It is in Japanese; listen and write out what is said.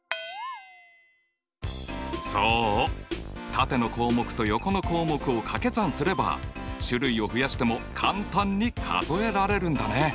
縦の項目と横の項目を掛け算すれば種類を増やしても簡単に数えられるんだね。